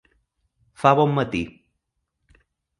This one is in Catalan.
Fa bon matí.